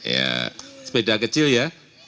ya sepeda kecil ya